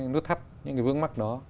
nút thắt những cái vướng mắt đó